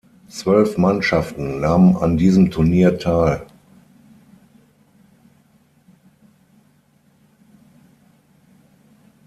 Zwölf Mannschaften nahmen an diesem Turnier teil.